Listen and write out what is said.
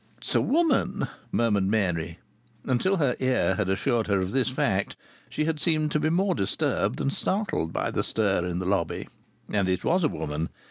"It's a woman," murmured Mary. Until her ear had assured her of this fact she had seemed to be more disturbed than startled by the stir in the lobby. And it was a woman.